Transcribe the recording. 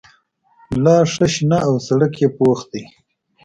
لاره ښه شنه او سړک یې پوخ دی.